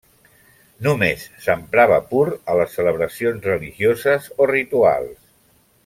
Només s'emprava pur a les celebracions religioses o rituals.